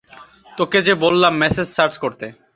তোকে যে বললাম মেসেজ সার্চ করতে।